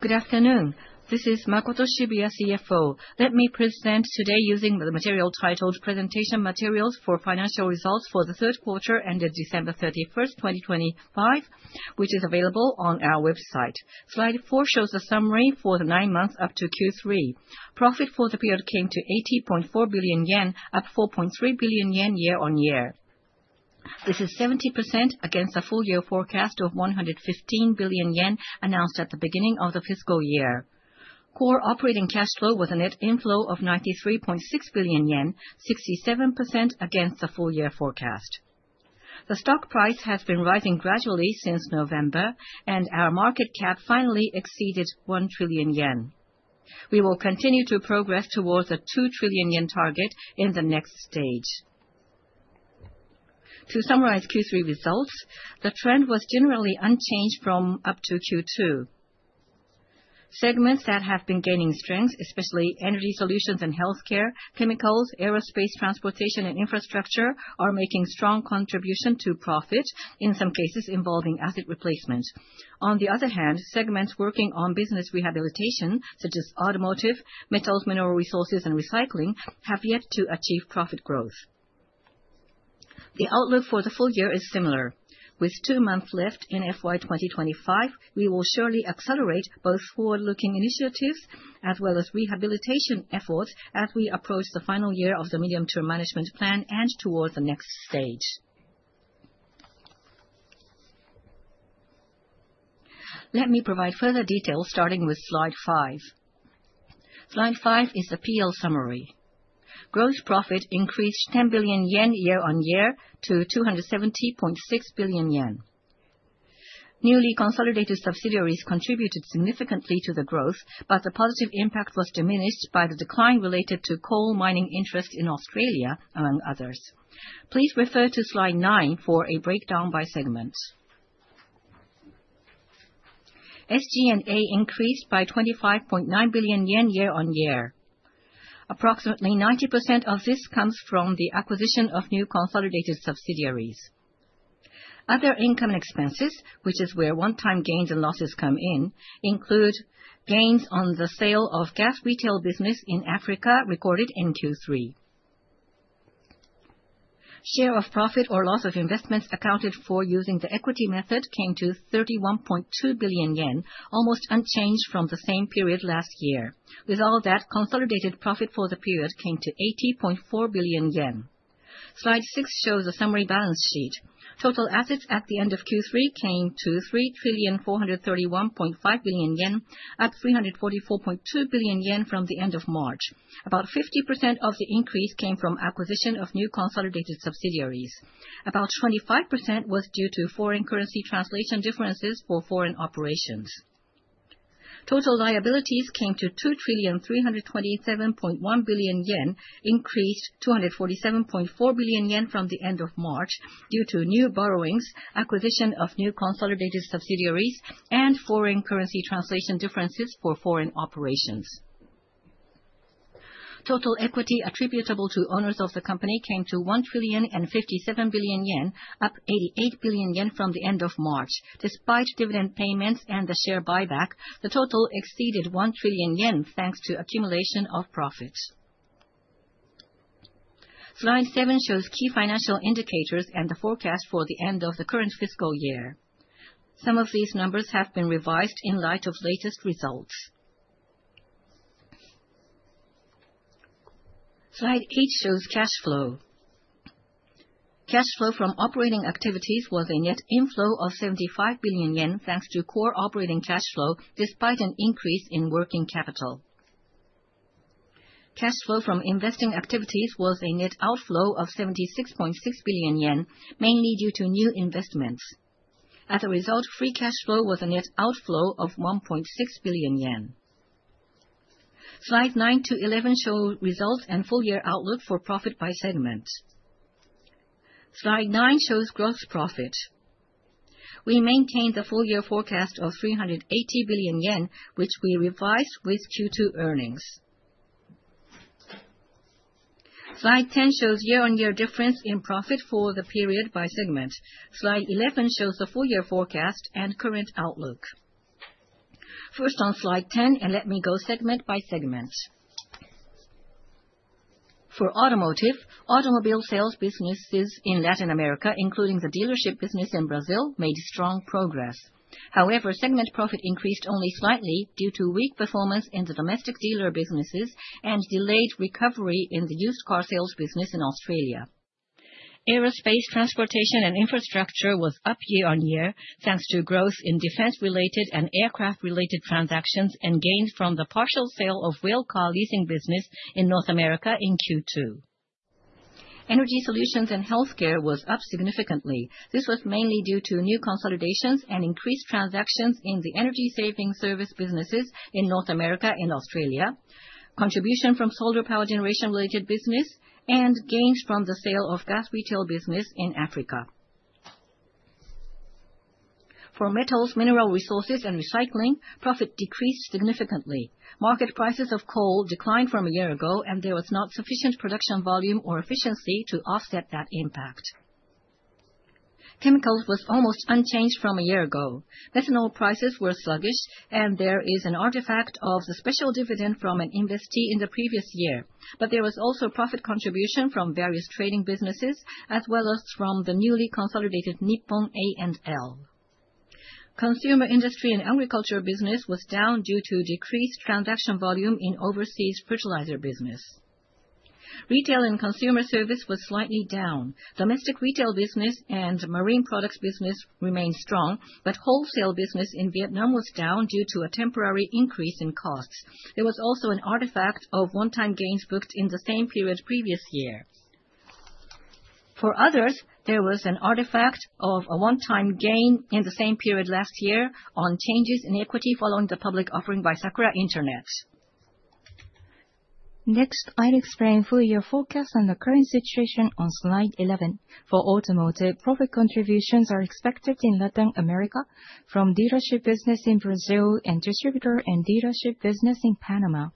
Good afternoon. This is Makoto Shibuya, CFO. Let me present today using the material titled Presentation Materials for Financial Results for the Third Quarter ended December 31st, 2025, which is available on our website. Slide four shows a summary for the nine months up to Q3. Profit for the period came to 80.4 billion yen at 4.3 billion yen year-on-year. This is 70% against the full year forecast of 115 billion yen announced at the beginning of the fiscal year. Core operating cash flow was a net inflow of 93.6 billion yen, 67% against the full year forecast. The stock price has been rising gradually since November, and our market cap finally exceeded 1 trillion yen. We will continue to progress towards a 2 trillion yen target in the next stage. To summarize Q3 results, the trend was generally unchanged from up to Q2. Segments that have been gaining strength, especially Energy Solutions & Healthcare, Chemicals, Aerospace, Transportation & Infrastructure, are making strong contribution to profit, in some cases involving asset replacement. On the other hand, segments working on business rehabilitation, such as Automotive, Metals, Mineral Resources & Recycling, have yet to achieve profit growth. The outlook for the full year is similar. With two months left in FY 2025, we will surely accelerate both forward-looking initiatives as well as rehabilitation efforts as we approach the final year of the medium-term management plan and towards the next stage. Let me provide further details starting with Slide five. Slide five is the PL summary. Gross profit increased 10 billion yen year-on-year to 270.6 billion yen. Newly consolidated subsidiaries contributed significantly to the growth. The positive impact was diminished by the decline related to coal mining interest in Australia, among others. Please refer to slide nine for a breakdown by segments. SG&A increased by 25.9 billion yen year-on-year. Approximately 90% of this comes from the acquisition of new consolidated subsidiaries. Other income expenses, which is where one-time gains and losses come in, include gains on the sale of gas retail business in Africa recorded in Q3. Share of profit or loss of investments accounted for using the equity method came to 31.2 billion yen, almost unchanged from the same period last year. With all that, consolidated profit for the period came to 80.4 billion yen. Slide six shows a summary balance sheet. Total assets at the end of Q3 came to 3,431.5 billion yen at 344.2 billion yen from the end of March. About 50% of the increase came from acquisition of new consolidated subsidiaries. About 25% was due to foreign currency translation differences for foreign operations. Total liabilities came to 2,327.1 billion yen, increased 247.4 billion yen from the end of March due to new borrowings, acquisition of new consolidated subsidiaries, and foreign currency translation differences for foreign operations. Total equity attributable to owners of the company came to 1,057 billion yen, up 88 billion yen from the end of March. Despite dividend payments and the share buyback, the total exceeded 1 trillion yen, thanks to accumulation of profits. Slide seven shows key financial indicators and the forecast for the end of the current fiscal year. Some of these numbers have been revised in light of latest results. Slide eight shows cash flow. Cash flow from operating activities was a net inflow of 75 billion yen, thanks to Core operating cash flow despite an increase in working capital. Cash flow from investing activities was a net outflow of 76.6 billion yen, mainly due to new investments. As a result, free cash flow was a net outflow of 1.6 billion yen. Slide nine to 11 show results and full year outlook for profit by segment. Slide nine shows gross profit. We maintained the full year forecast of 380 billion yen, which we revised with Q2 earnings. Slide 10 shows year-on-year difference in profit for the period by segment. Slide 11 shows the full year forecast and current outlook. First on Slide 10, let me go segment by segment. For Automotive, automobile sales businesses in Latin America, including the dealership business in Brazil, made strong progress. However, segment profit increased only slightly due to weak performance in the domestic dealer businesses and delayed recovery in the used car sales business in Australia. Aerospace, Transportation & Infrastructure was up year-on-year, thanks to growth in defense-related and aircraft-related transactions and gains from the partial sale of rail car leasing business in North America in Q2. Energy Solutions & Healthcare was up significantly. This was mainly due to new consolidations and increased transactions in the energy saving service businesses in North America and Australia, contribution from solar power generation related business, and gains from the sale of gas retail business in Africa. For Metals, Mineral Resources & Recycling, profit decreased significantly. Market prices of coal declined from a year ago, and there was not sufficient production volume or efficiency to offset that impact. Chemicals was almost unchanged from a year ago. Ethanol prices were sluggish. There is an artifact of the special dividend from an investee in the previous year. There was also profit contribution from various trading businesses, as well as from the newly consolidated NIPPON A&L. Consumer Industry and Agricultural Business was down due to decreased transaction volume in overseas fertilizer business. Retail and Consumer Service was slightly down. Domestic retail business and marine products business remained strong, but wholesale business in Vietnam was down due to a temporary increase in costs. There was also an artifact of one-time gains booked in the same period previous year. For others, there was an artifact of a one-time gain in the same period last year on changes in equity following the public offering by SAKURA internet. Next, I'll explain full year forecast and the current situation on slide 11. For Automotive, profit contributions are expected in Latin America from dealership business in Brazil, and distributor and dealership business in Panama.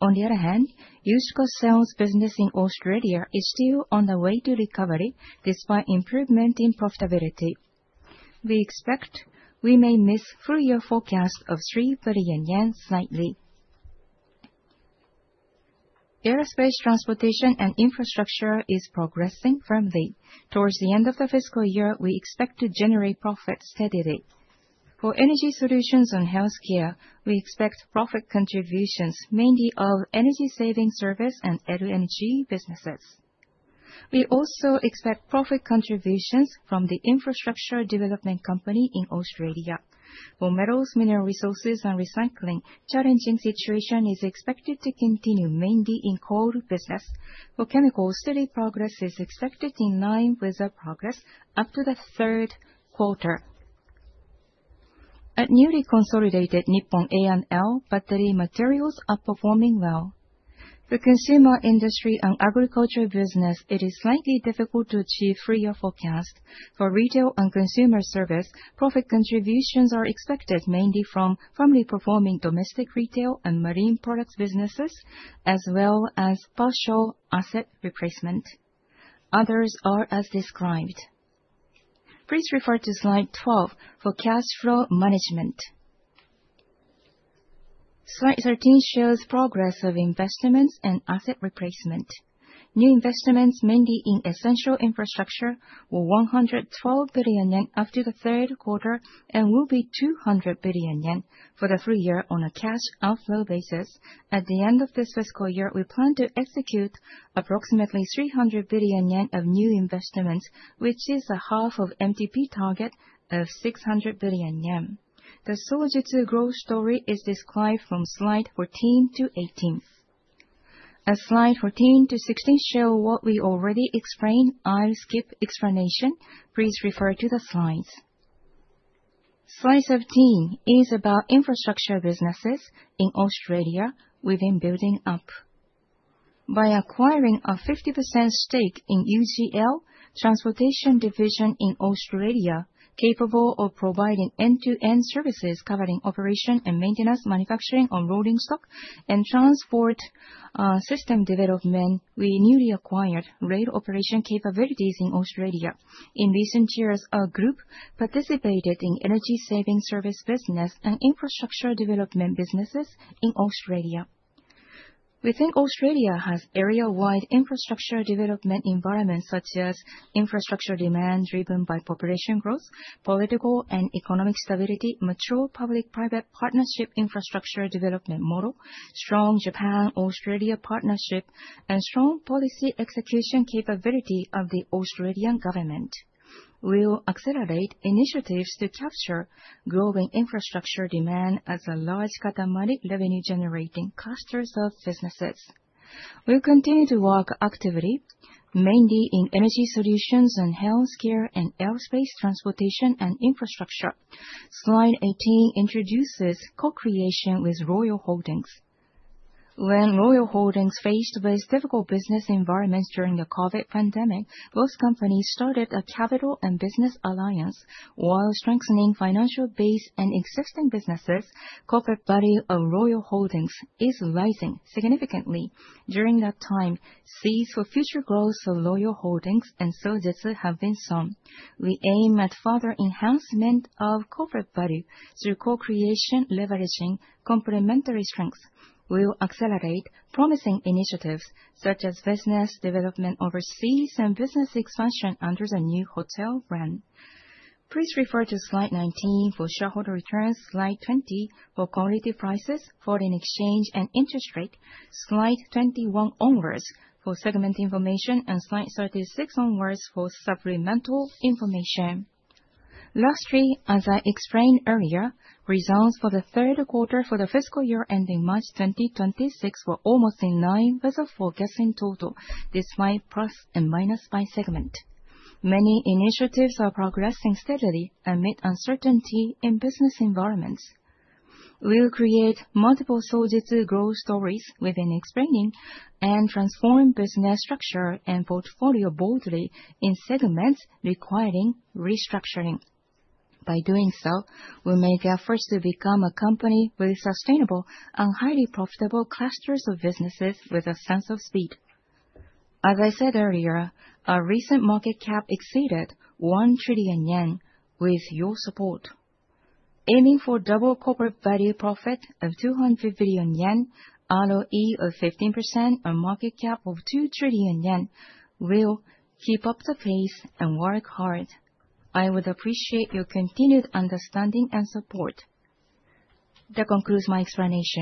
On the other hand, used car sales business in Australia is still on the way to recovery, despite improvement in profitability. We expect we may miss full year forecast of 3 billion yen slightly. Aerospace, Transportation & Infrastructure is progressing firmly. Towards the end of the fiscal year, we expect to generate profit steadily. For Energy Solutions & Healthcare, we expect profit contributions mainly of energy saving service and new-energy businesses. We also expect profit contributions from the infrastructure development company in Australia. For Metals, Mineral Resources & Recycling, challenging situation is expected to continue, mainly in coal business. For Chemicals, steady progress is expected in line with the progress after the third quarter. At newly consolidated NIPPON A&L, battery materials are performing well. For Consumer Industry and Agricultural Business, it is slightly difficult to achieve full year forecast. For Retail and Consumer Service, profit contributions are expected mainly from firmly performing domestic retail and marine products businesses, as well as partial asset replacement. Others are as described. Please refer to slide 12 for cash flow management. Slide 13 shows progress of investments and asset replacement. New investments, mainly in essential infrastructure, were 112 billion yen after the third quarter, and will be 200 billion yen for the full year on a cash outflow basis. At the end of this fiscal year, we plan to execute approximately 300 billion yen of new investments, which is a half of MTP target of 600 billion yen. The Sojitz growth story is described from slide 14 to 18th. As slide 14 to 16 show what we already explained, I'll skip explanation. Please refer to the slides. Slide 17 is about infrastructure businesses in Australia we've been building up. By acquiring a 50% stake in UGL, transportation division in Australia, capable of providing end-to-end services covering operation and maintenance, manufacturing of rolling stock, and transport system development, we newly acquired rail operation capabilities in Australia. In recent years, our group participated in energy saving service business and infrastructure development businesses in Australia. We think Australia has area-wide infrastructure development environment, such as infrastructure demand driven by population growth, political and economic stability, mature public-private partnership infrastructure development model, strong Japan-Australia partnership, and strong policy execution capability of the Australian government. We will accelerate initiatives to capture growing infrastructure demand as a large Katamari revenue-generating clusters of businesses. We'll continue to work actively, mainly in Energy Solutions & Healthcare, and Aerospace, Transportation & Infrastructure. Slide 18 introduces co-creation with Royal Holdings. When Royal Holdings faced with difficult business environments during the COVID pandemic, both companies started a capital and business alliance while strengthening financial base and existing businesses. Corporate value of Royal Holdings is rising significantly. During that time, seeds for future growth of Royal Holdings and Sojitz have been sown. We aim at further enhancement of corporate value through co-creation, leveraging complementary strengths. We will accelerate promising initiatives such as business development overseas and business expansion under the new hotel brand. Please refer to slide 19 for shareholder returns, slide 20 for commodity prices, foreign exchange, and interest rate, slide 21 onwards for segment information, and slide 36 onwards for supplemental information. Lastly, as I explained earlier, results for the third quarter for the fiscal year ending March 2026 were almost in line with the forecast in total, despite plus and minus by segment. Many initiatives are progressing steadily amid uncertainty in business environments. We will create multiple Sojitz growth stories within explaining, and transform business structure and portfolio boldly in segments requiring restructuring. By doing so, we make efforts to become a company with sustainable and highly profitable clusters of businesses with a sense of speed. As I said earlier, our recent market cap exceeded 1 trillion yen with your support. Aiming for double corporate value profit of 200 billion yen, ROE of 15%, and market cap of 2 trillion yen, we'll keep up the pace and work hard. I would appreciate your continued understanding and support. That concludes my explanation.